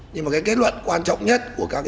nhưng mà cái kết luận quan trọng nhất của các